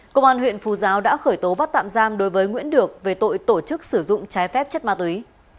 công an huyện phú giáo đã khởi tố bắt tạm giam đối với nguyễn được về tội tổ chức sử dụng trái phép chất ma túy